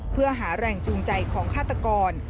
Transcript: เพื่อหาแรงจูงใจของฆาตกร